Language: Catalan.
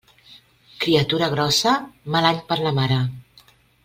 Criatura grossa, mal any per a la mare.